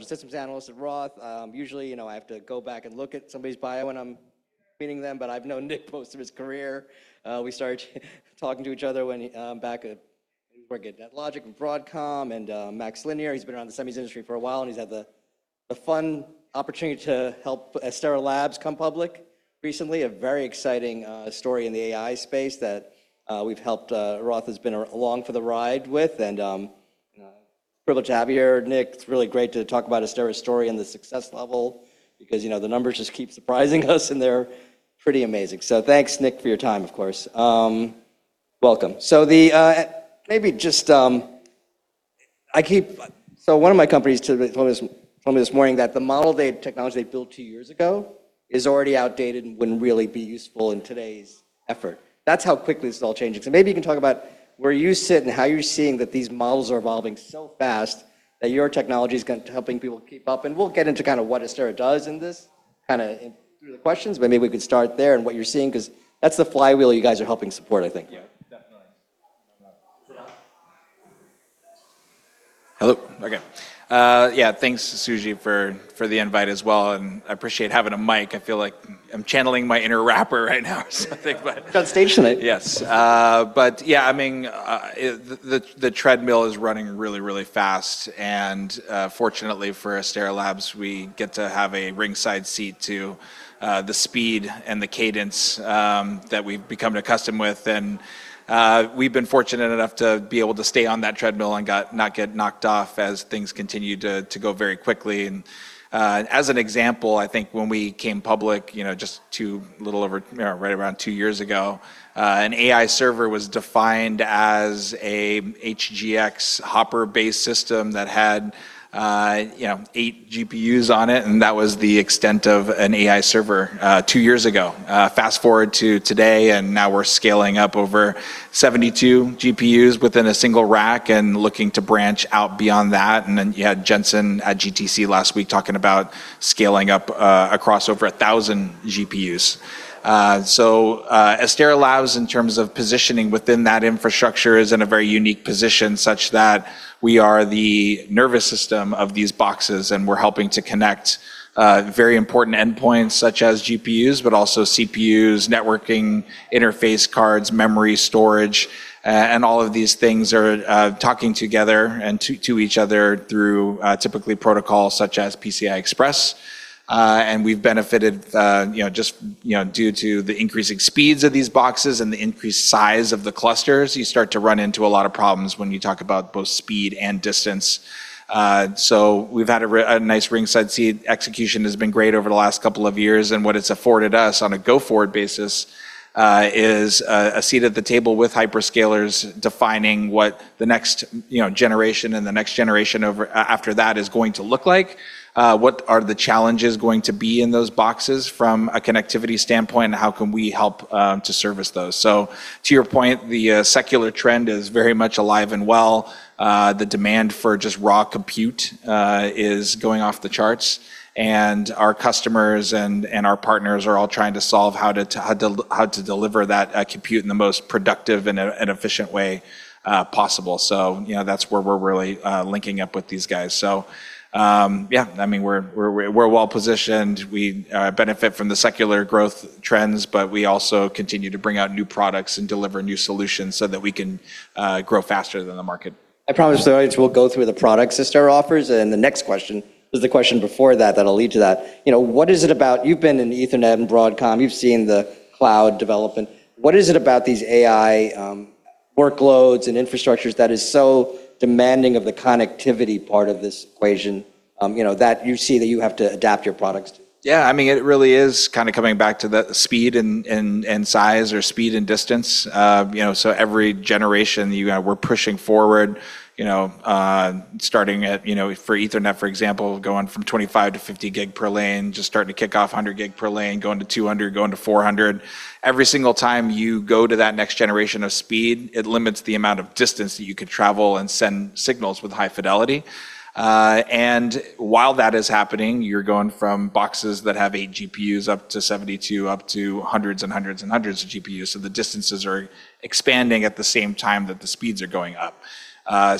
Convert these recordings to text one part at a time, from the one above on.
I'm a systems analyst at Roth. Usually, you know, I have to go back and look at somebody's bio when I'm meeting them, but I've known Nick most of his career. We started talking to each other when he was working at Netlogic and Broadcom and MaxLinear. He's been around the semis industry for a while, and he's had the fun opportunity to help Astera Labs come public recently. A very exciting story in the AI space that Roth has been along for the ride with and privileged to have you here, Nick. It's really great to talk about Astera's story and the success level because, you know, the numbers just keep surprising us, and they're pretty amazing. Thanks, Nick, for your time, of course. Welcome. The maybe just... One of my companies told me this morning that the technology they built two years ago is already outdated and wouldn't really be useful in today's effort. That's how quickly this is all changing. Maybe you can talk about where you sit and how you're seeing that these models are evolving so fast that your technology's helping people keep up. We'll get into kinda what Astera does in this, kinda in through the questions, but maybe we could start there and what you're seeing 'cause that's the flywheel you guys are helping support, I think. Yeah, definitely. Hello. Okay. Yeah, thanks, Suji, for the invite as well, and I appreciate having a mic. I feel like I'm channeling my inner rapper right now or something, but Got to station it. Yes. But yeah, I mean, the treadmill is running really fast and, fortunately for Astera Labs, we get to have a ringside seat to the speed and the cadence that we've become accustomed with. We've been fortunate enough to be able to stay on that treadmill and not get knocked off as things continue to go very quickly. As an example, I think when we came public, you know, just a little over, you know, right around two years ago, an AI server was defined as an HGX Hopper-based system that had, you know, 8 GPUs on it, and that was the extent of an AI server two years ago. Fast-forward to today, and now we're scaling up over 72 GPUs within a single rack and looking to branch out beyond that. You had Jensen at GTC last week talking about scaling up across over 1,000 GPUs. Astera Labs, in terms of positioning within that infrastructure, is in a very unique position such that we are the nervous system of these boxes, and we're helping to connect very important endpoints such as GPUs but also CPUs, networking, interface cards, memory, storage. All of these things are talking together and to each other through typically protocols such as PCI Express. We've benefited you know just you know due to the increasing speeds of these boxes and the increased size of the clusters. You start to run into a lot of problems when you talk about both speed and distance. We've had a nice ringside seat. Execution has been great over the last couple of years, and what it's afforded us on a go-forward basis is a seat at the table with hyperscalers defining what the next, you know, generation and the next generation over after that is going to look like. What are the challenges going to be in those boxes from a connectivity standpoint, and how can we help to service those? To your point, the secular trend is very much alive and well. The demand for just raw compute is going off the charts. Our customers and our partners are all trying to solve how to deliver that compute in the most productive and efficient way possible. You know, that's where we're really linking up with these guys. Yeah, I mean, we're well-positioned. We benefit from the secular growth trends, but we also continue to bring out new products and deliver new solutions so that we can grow faster than the market. I promise the audience we'll go through the products Astera offers, and the next question is the question before that that'll lead to that. You know, what is it about. You've been in Ethernet and Broadcom. You've seen the cloud development. What is it about these AI workloads and infrastructures that is so demanding of the connectivity part of this equation, you know, that you see that you have to adapt your products to? Yeah, I mean, it really is kinda coming back to the speed and size or speed and distance. You know, every generation, we're pushing forward, you know, starting at, you know, for Ethernet, for example, going from 25 Gb to 50 Gb per lane, just starting to kick off 100 Gb per lane, going to 200 Gb, going to 400 Gb. Every single time you go to that next generation of speed, it limits the amount of distance that you can travel and send signals with high fidelity. While that is happening, you're going from boxes that have 8 GPUs up to 72 up to hundreds of GPUs. The distances are expanding at the same time that the speeds are going up.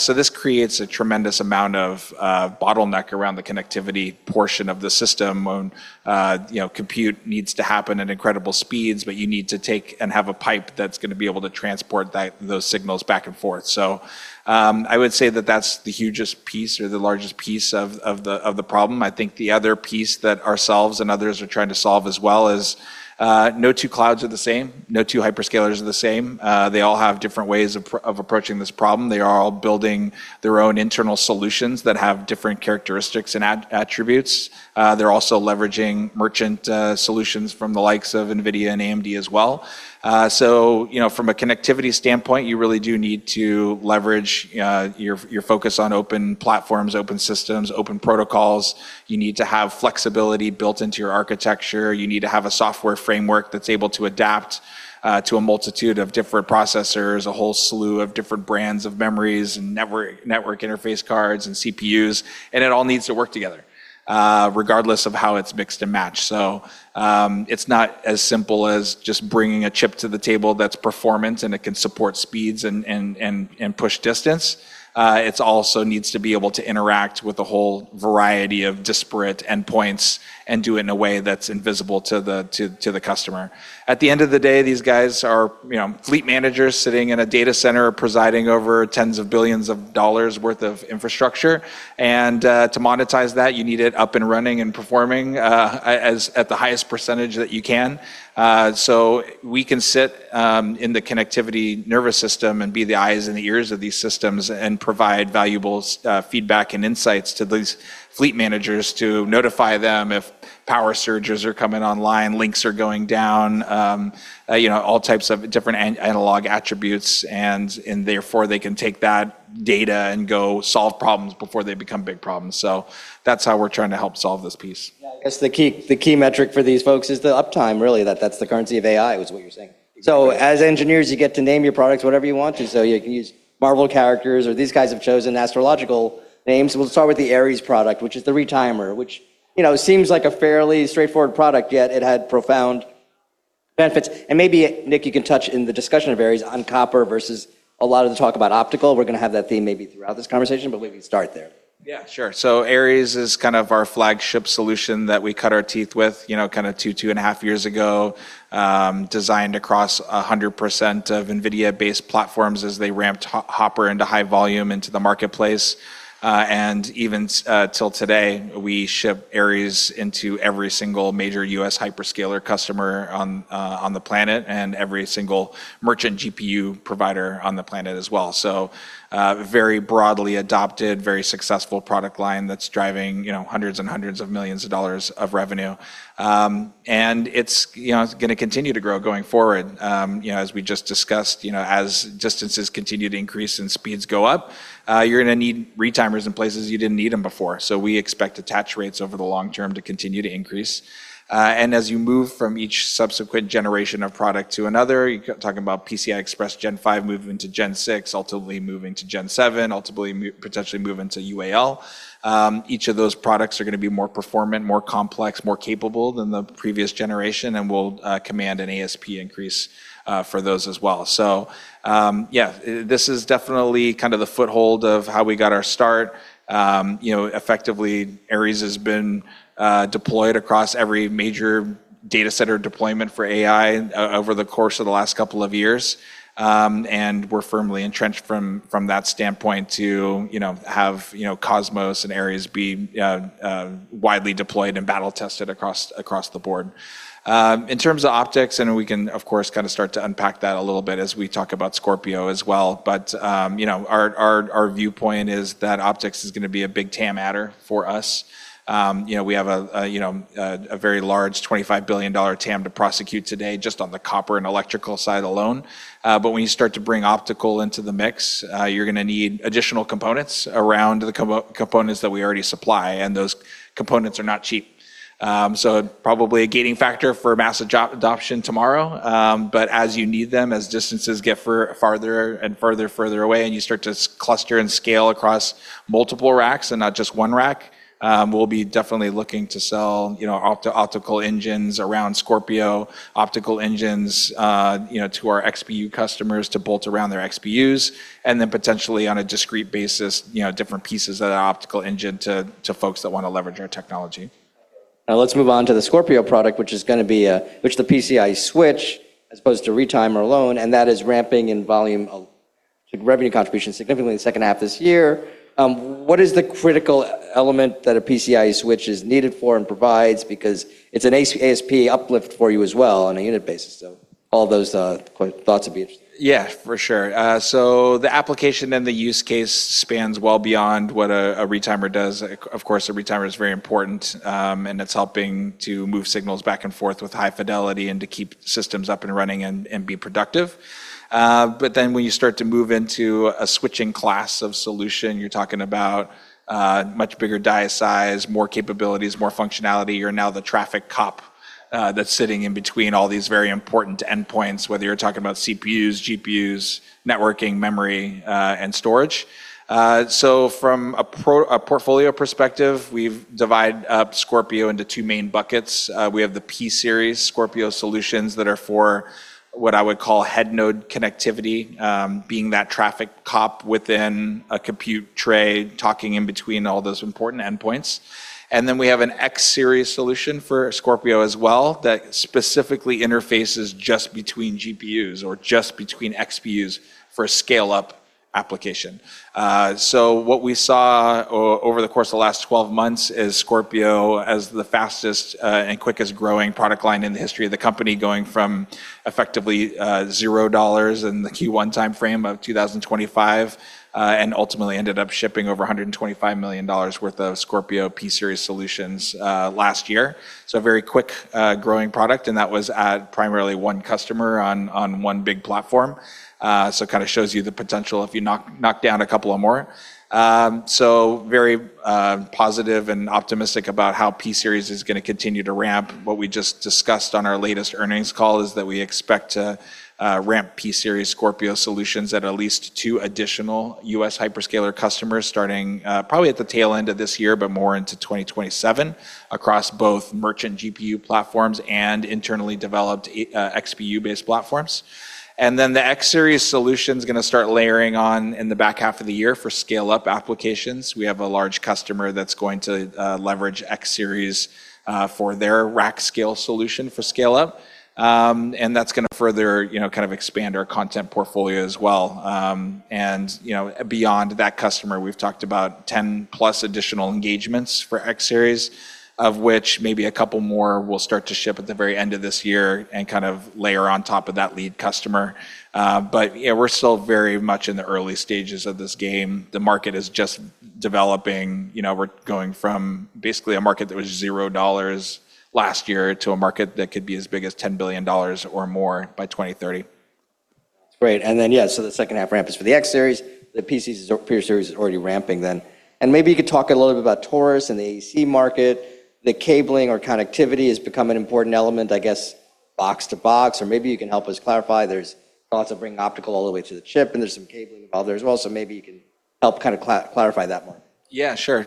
This creates a tremendous amount of bottleneck around the connectivity portion of the system when you know, compute needs to happen at incredible speeds, but you need to take and have a pipe that's gonna be able to transport that, those signals back and forth. I would say that that's the hugest piece or the largest piece of the problem. I think the other piece that ourselves and others are trying to solve as well is no two clouds are the same. No two hyperscalers are the same. They all have different ways of approaching this problem. They are all building their own internal solutions that have different characteristics and attributes. They're also leveraging merchant solutions from the likes of NVIDIA and AMD as well. You know, from a connectivity standpoint, you really do need to leverage your focus on open platforms, open systems, open protocols. You need to have flexibility built into your architecture. You need to have a software framework that's able to adapt to a multitude of different processors, a whole slew of different brands of memories and network interface cards and CPUs, and it all needs to work together. Regardless of how it's mixed and matched. It's not as simple as just bringing a chip to the table that's performance, and it can support speeds and push distance. It's also needs to be able to interact with a whole variety of disparate endpoints and do it in a way that's invisible to the customer. At the end of the day, these guys are, you know, fleet managers sitting in a data center presiding over tens of billions of dollars worth of infrastructure. To monetize that, you need it up and running and performing at the highest percentage that you can. We can sit in the connectivity nervous system and be the eyes and the ears of these systems and provide valuable feedback and insights to these fleet managers to notify them if power surges are coming online, links are going down, you know, all types of different analog attributes and therefore, they can take that data and go solve problems before they become big problems. That's how we're trying to help solve this piece. Yeah. I guess the key metric for these folks is the uptime really. That's the currency of AI is what you're saying. Exactly. As engineers, you get to name your products whatever you want to. You can use Marvel characters, or these guys have chosen astrological names. We'll start with the Aries product, which is the retimer, which, you know, seems like a fairly straightforward product, yet it had profound benefits. Maybe, Nick, you can touch in the discussion of Aries on copper versus a lot of the talk about optical. We're gonna have that theme maybe throughout this conversation, but we can start there. Yeah, sure. Aries is kind of our flagship solution that we cut our teeth with, you know, kinda two and a half years ago, designed across 100% of NVIDIA-based platforms as they ramped Hopper into high volume into the marketplace. Even till today, we ship Aries into every single major U.S. hyperscaler customer on the planet and every single merchant GPU provider on the planet as well. Very broadly adopted, very successful product line that's driving, you know, hundreds and hundreds of millions of dollars of revenue. It's gonna continue to grow going forward. As we just discussed, you know, as distances continue to increase and speeds go up, you're gonna need retimers in places you didn't need them before. We expect attach rates over the long term to continue to increase. As you move from each subsequent generation of product to another, you're talking about PCI Express Gen 5 moving to Gen 6, ultimately moving to Gen 7, ultimately potentially moving to UALink. Each of those products are gonna be more performant, more complex, more capable than the previous generation and will command an ASP increase for those as well. This is definitely kind of the foothold of how we got our start. You know, effectively, Aries has been deployed across every major data center deployment for AI over the course of the last couple of years. We're firmly entrenched from that standpoint to have COSMOS and Aries be widely deployed and battle-tested across the board. In terms of optics, we can, of course, kind of start to unpack that a little bit as we talk about Scorpio as well. You know, our viewpoint is that optics is gonna be a big TAM adder for us. You know, we have a very large $25 billion TAM to prosecute today just on the copper and electrical side alone. When you start to bring optical into the mix, you're gonna need additional components around the components that we already supply, and those components are not cheap. Probably a gating factor for massive adoption tomorrow. as you need them, as distances get farther and further away, and you start to cluster and scale across multiple racks and not just one rack, we'll be definitely looking to sell, you know, optical engines around Scorpio to our XPU customers to bolt around their XPUs, and then potentially on a discrete basis, you know, different pieces of the optical engine to folks that wanna leverage our technology. Now let's move on to the Scorpio product, which is the PCIe switch, as opposed to retimer alone, and that is ramping in volume revenue contribution significantly in the second half of this year. What is the critical element that a PCIe switch is needed for and provides? Because it's an AEC ASP uplift for you as well on a unit basis. All those thoughts would be interesting. Yeah, for sure. The application and the use case spans well beyond what a retimer does. Of course, a retimer is very important, and it's helping to move signals back and forth with high fidelity and to keep systems up and running and be productive. When you start to move into a switching class of solution, you're talking about much bigger die size, more capabilities, more functionality. You're now the traffic cop that's sitting in between all these very important endpoints, whether you're talking about CPUs, GPUs, networking, memory, and storage. From a portfolio perspective, we've divide up Scorpio into two main buckets. We have the Scorpio P-Series solutions that are for what I would call head node connectivity, being that traffic cop within a compute tray talking in between all those important endpoints. We have an X-Series solution for Scorpio as well that specifically interfaces just between GPUs or just between XPUs for a scale-up application. What we saw over the course of the last 12 months is Scorpio as the fastest and quickest growing product line in the history of the company, going from effectively $0 in the Q1 timeframe of 2025, and ultimately ended up shipping over $125 million worth of Scorpio P-Series solutions last year. A very quick growing product, and that was at primarily one customer on one big platform. It kinda shows you the potential if you knock down a couple of more. Very positive and optimistic about how Scorpio P-Series is gonna continue to ramp. What we just discussed on our latest earnings call is that we expect to ramp Scorpio P-Series solutions at least two additional U.S. hyperscaler customers starting probably at the tail end of this year but more into 2027 across both merchant GPU platforms and internally developed XPU-based platforms. Then the Scorpio X-Series solution's gonna start layering on in the back half of the year for scale-up applications. We have a large customer that's going to leverage Scorpio X-Series for their rack-scale solution for scale-up, and that's gonna further, you know, kind of expand our content portfolio as well. You know, beyond that customer, we've talked about 10+ additional engagements for X Series, of which maybe a couple more will start to ship at the very end of this year and kind of layer on top of that lead customer. Yeah, we're still very much in the early stages of this game. The market is just developing. You know, we're going from basically a market that was $0 last year to a market that could be as big as $10 billion or more by 2030. That's great. Yeah, the second half ramp is for the X Series. The P-Series is already ramping then. Maybe you could talk a little bit about Taurus and the AEC market. The cabling or connectivity has become an important element, I guess, box to box. Maybe you can help us clarify. There's thoughts of bringing optical all the way to the chip, and there's some cabling involved there as well. Maybe you can help kind of clarify that more. Yeah, sure.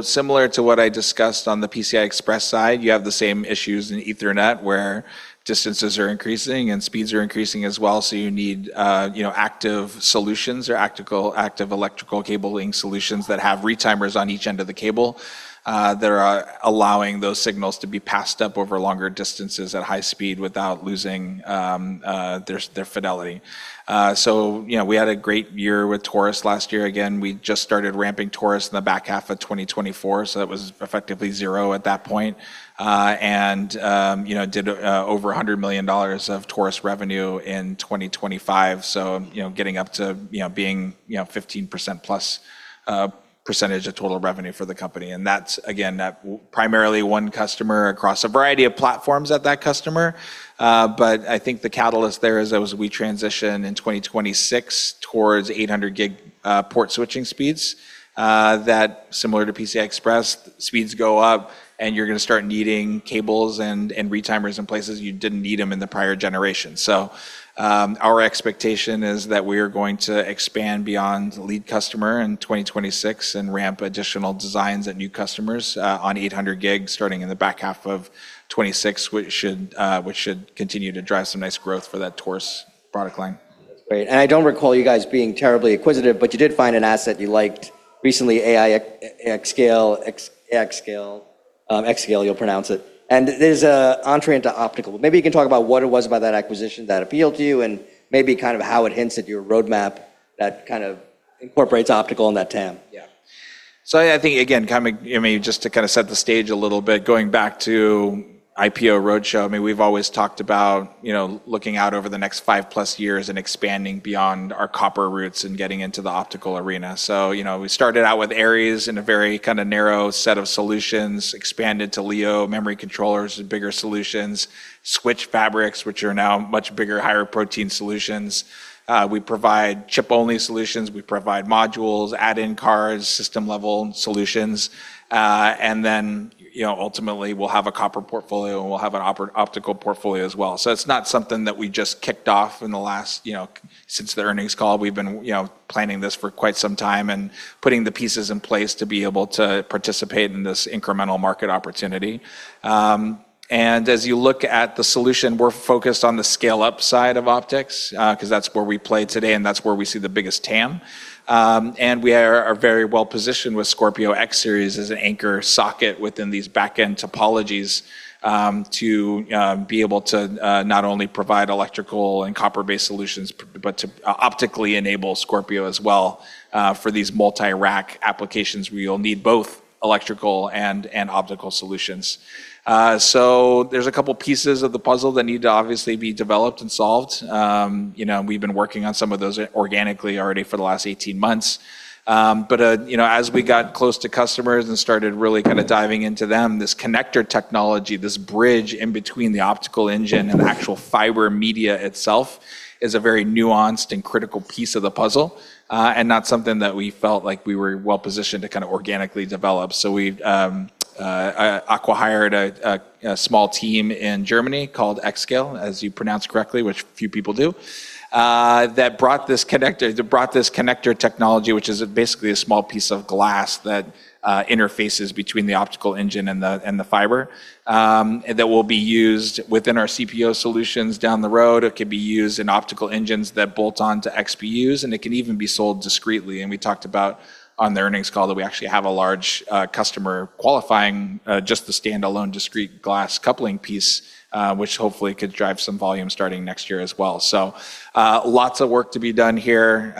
Similar to what I discussed on the PCI Express side, you have the same issues in Ethernet where distances are increasing and speeds are increasing as well. You need, you know, active solutions or active electrical cabling solutions that have retimers on each end of the cable that allow those signals to be passed over longer distances at high speed without losing their fidelity. You know, we had a great year with Taurus last year. Again, we just started ramping Taurus in the back half of 2024, so that was effectively zero at that point. You know, did over $100 million of Taurus revenue in 2025. You know, getting up to, you know, being, you know, 15%+ percentage of total revenue for the company. That's again primarily one customer across a variety of platforms at that customer. But I think the catalyst there is as we transition in 2026 towards 800 Gb port switching speeds, that similar to PCI Express, speeds go up and you're gonna start needing cables and retimers in places you didn't need them in the prior generation. Our expectation is that we are going to expand beyond the lead customer in 2026 and ramp additional designs at new customers on 800 Gb starting in the back half of 2026, which should continue to drive some nice growth for that Taurus product line. That's great. I don't recall you guys being terribly acquisitive, but you did find an asset you liked recently, aiXscale. You'll pronounce it. It is an entry into optical. Maybe you can talk about what it was about that acquisition that appealed to you and maybe kind of how it hints at your roadmap that kind of incorporates optical in that TAM. Yeah. I think again, kind of, I mean, just to kind of set the stage a little bit, going back to IPO roadshow, I mean, we've always talked about, you know, looking out over the next 5+ years and expanding beyond our copper roots and getting into the optical arena. We started out with Aries in a very kind of narrow set of solutions, expanded to Leo memory controllers with bigger solutions, switch fabrics, which are now much bigger, higher-margin solutions. We provide chip-only solutions. We provide modules, add-in cards, system-level solutions. Ultimately we'll have a copper portfolio, and we'll have an optical portfolio as well. It's not something that we just kicked off in the last, you know, since the earnings call. We've been, you know, planning this for quite some time and putting the pieces in place to be able to participate in this incremental market opportunity. As you look at the solution, we're focused on the scale-up side of optics, 'cause that's where we play today, and that's where we see the biggest TAM. We are very well-positioned with Scorpio X-Series as an anchor socket within these back-end topologies to be able to not only provide electrical and copper-based solutions but to optically enable Scorpio as well for these multi-rack applications where you'll need both electrical and optical solutions. There's a couple pieces of the puzzle that need to obviously be developed and solved. You know, we've been working on some of those organically already for the last 18 months. You know, as we got close to customers and started really kind of diving into them, this connector technology, this bridge in between the optical engine and the actual fiber media itself is a very nuanced and critical piece of the puzzle, and not something that we felt like we were well-positioned to kind of organically develop. We've acqui-hired a small team in Germany called aiXscale, as you pronounced correctly, which few people do, that brought this connector technology, which is basically a small piece of glass that interfaces between the optical engine and the fiber that will be used within our CPO solutions down the road. It could be used in optical engines that bolt on to XPUs, and it can even be sold discreetly. We talked about on the earnings call that we actually have a large customer qualifying just the standalone discrete glass coupling piece, which hopefully could drive some volume starting next year as well. Lots of work to be done here,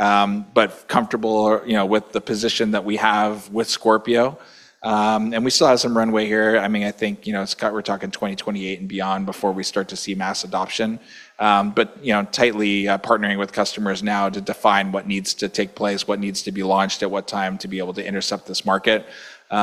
but comfortable, you know, with the position that we have with Scorpio. We still have some runway here. I mean, I think, you know, we're talking 2028 and beyond before we start to see mass adoption. You know, tightly partnering with customers now to define what needs to take place, what needs to be launched at what time to be able to intercept this market. You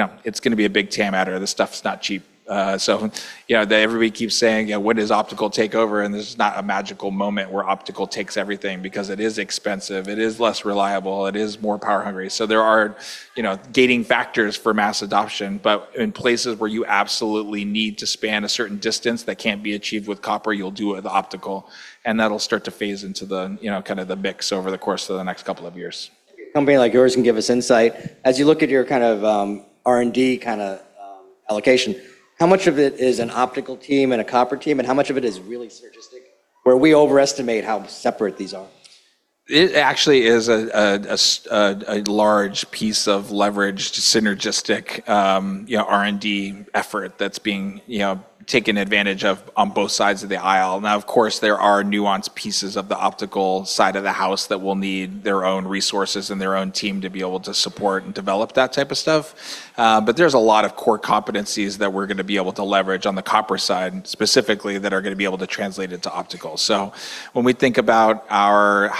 know, it's gonna be a big TAM adder. This stuff's not cheap. Everybody keeps saying, you know, "When does optical take over?" This is not a magical moment where optical takes everything because it is expensive, it is less reliable, it is more power-hungry. There are, you know, gating factors for mass adoption. In places where you absolutely need to span a certain distance that can't be achieved with copper, you'll do it with optical, and that'll start to phase into the, you know, kind of the mix over the course of the next couple of years. A company like yours can give us insight. As you look at your kind of R&D kinda allocation, how much of it is an optical team and a copper team, and how much of it is really synergistic, where we overestimate how separate these are? It actually is a large piece of leverage to synergistic, you know, R&D effort that's being, you know, taken advantage of on both sides of the aisle. Now, of course, there are nuanced pieces of the optical side of the house that will need their own resources and their own team to be able to support and develop that type of stuff. There's a lot of core competencies that we're gonna be able to leverage on the copper side specifically that are gonna be able to translate into optical. When we think about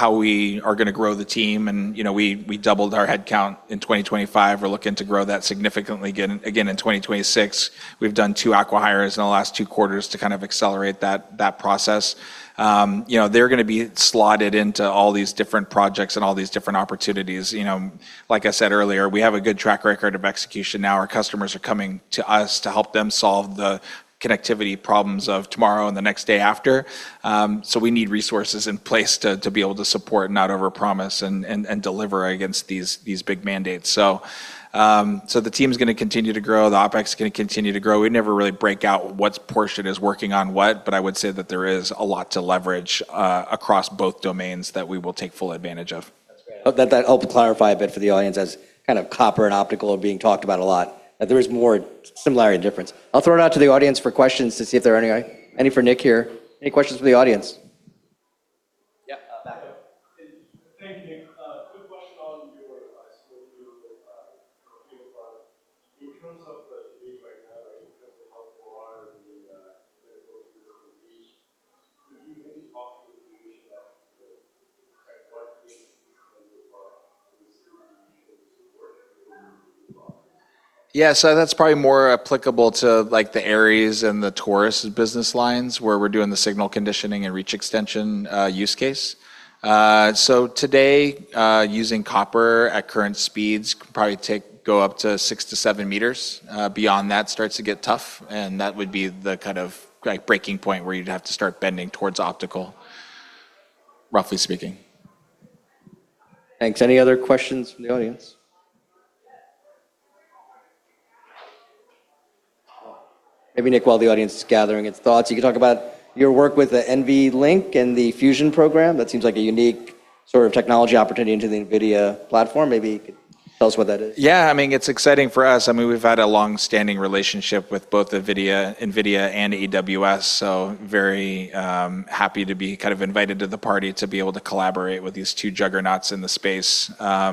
how we are gonna grow the team and, you know, we doubled our head count in 2025. We're looking to grow that significantly again in 2026. We've done two acqui-hires in the last two quarters to kind of accelerate that process. You know, they're gonna be slotted into all these different projects and all these different opportunities. You know, like I said earlier, we have a good track record of execution now. Our customers are coming to us to help them solve the connectivity problems of tomorrow and the next day after. We need resources in place to be able to support and not overpromise and deliver against these big mandates. The team's gonna continue to grow. The OpEx is gonna continue to grow. We never really break out what portion is working on what, but I would say that there is a lot to leverage across both domains that we will take full advantage of. That helped clarify a bit for the audience as kind of copper and optical are being talked about a lot, that there is more similarity and difference. I'll throw it out to the audience for questions to see if there are any for Nick here. Any questions from the audience? Yeah, back there. Thank you, Nick. Quick question on your advice when you know, in terms of the speed right now, like in terms of how far the signal can reach, could you maybe talk to the range that, like, at what range from the bar can the signal be supported or Yeah. That's probably more applicable to like the Aries and the Taurus business lines where we're doing the signal conditioning and reach extension use case. Today, using copper at current speeds could probably go up to 6 m-7 m. Beyond that starts to get tough, and that would be the kind of like breaking point where you'd have to start bending towards optical, roughly speaking. Thanks. Any other questions from the audience? Maybe, Nick, while the audience is gathering its thoughts, you can talk about your work with the NVLink and the Fusion program. That seems like a unique sort of technology opportunity into the NVIDIA platform. Maybe you could tell us what that is. Yeah. I mean, it's exciting for us. I mean, we've had a long-standing relationship with both NVIDIA and AWS, so very happy to be kind of invited to the party to be able to collaborate with these two juggernauts in the space.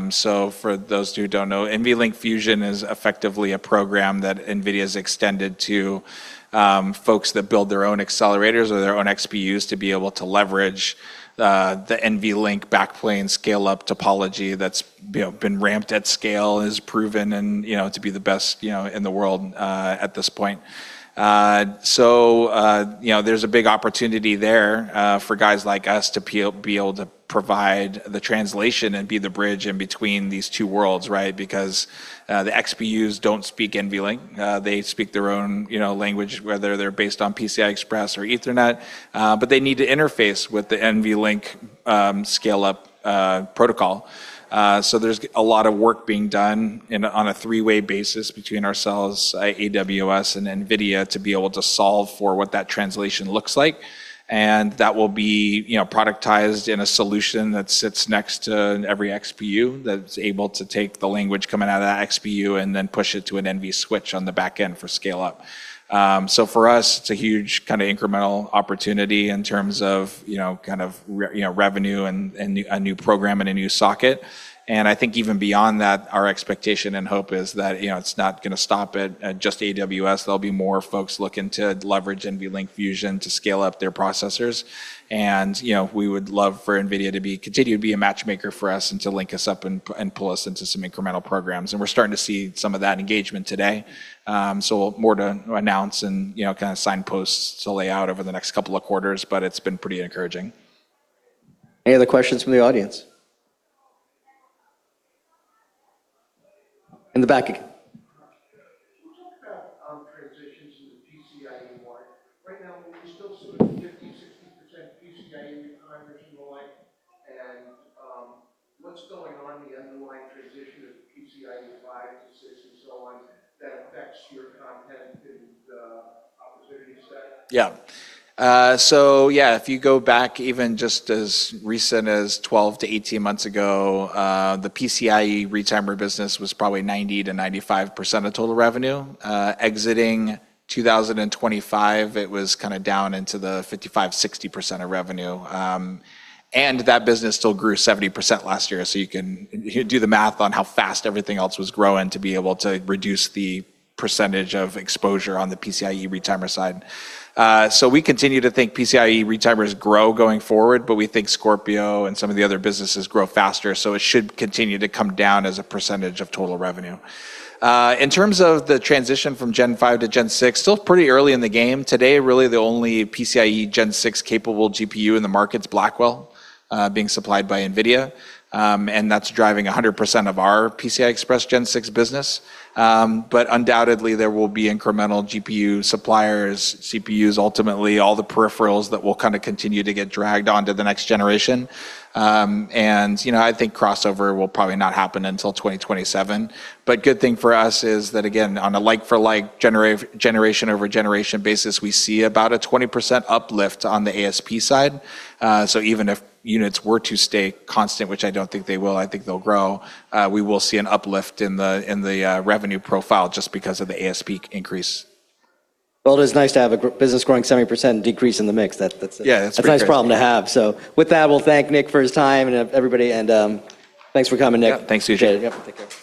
So for those who don't know, NVLink Fusion is effectively a program that NVIDIA's extended to folks that build their own accelerators or their own XPUs to be able to leverage the NVLink backplane scale-up topology that's, you know, been ramped at scale, is proven and, you know, to be the best, you know, in the world at this point. So you know, there's a big opportunity there for guys like us to be able to provide the translation and be the bridge in between these two worlds, right? Because the XPUs don't speak NVLink. They speak their own, you know, language, whether they're based on PCI Express or Ethernet, but they need to interface with the NVLink scale-up protocol. There's a lot of work being done on a three-way basis between ourselves, AWS and NVIDIA to be able to solve for what that translation looks like. That will be, you know, productized in a solution that sits next to every XPU that's able to take the language coming out of that XPU and then push it to an NVSwitch on the back end for scale-up. For us, it's a huge kind of incremental opportunity in terms of, you know, kind of revenue and a new program and a new socket. I think even beyond that, our expectation and hope is that, you know, it's not gonna stop at just AWS. There'll be more folks looking to leverage NVLink Fusion to scale up their processors. We would love for NVIDIA to continue to be a matchmaker for us and to link us up and pull us into some incremental programs. We're starting to see some of that engagement today. So more to announce and, you know, kind of signposts to lay out over the next couple of quarters, but it's been pretty encouraging. Any other questions from the audience? In the back again. Can you talk about transitions in the PCIe world? Right now, we're still seeing 50%-60% PCIe retimers in the line. What's going on in the underlying transition of PCIe 5.0 to 6.0 and so on that affects your content and opportunities there? If you go back even just as recent as 12 to 18 months ago, the PCIe retimer business was probably 90%-95% of total revenue. Exiting 2025, it was kind of down into the 55%-60% of revenue. That business still grew 70% last year, so you can do the math on how fast everything else was growing to be able to reduce the percentage of exposure on the PCIe retimer side. We continue to think PCIe retimers grow going forward, but we think Scorpio and some of the other businesses grow faster, so it should continue to come down as a percentage of total revenue. In terms of the transition from Gen5 to Gen6, still pretty early in the game. Today, really the only PCIe 6.0 capable GPU in the market is Blackwell, being supplied by NVIDIA. That's driving 100% of our PCI Express 6.0 business. Undoubtedly, there will be incremental GPU suppliers, CPUs, ultimately all the peripherals that will kind of continue to get dragged on to the next generation. You know, I think crossover will probably not happen until 2027. Good thing for us is that, again, on a like for like generation over generation basis, we see about a 20% uplift on the ASP side. Even if units were to stay constant, which I don't think they will, I think they'll grow, we will see an uplift in the revenue profile just because of the ASP increase. Well, it is nice to have a business growing 70% and decrease in the mix. That's a- Yeah, that's pretty nice. a nice problem to have. With that, we'll thank Nick for his time and everybody and, thanks for coming, Nick. Yeah. Thanks, Suji. Appreciate it. Yep. Take care.